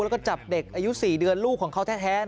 แล้วก็จับเด็กอายุ๔เดือนลูกของเขาแท้